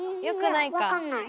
いや分かんない。